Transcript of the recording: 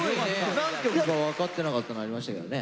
何曲か分かってなかったのありましたけどね。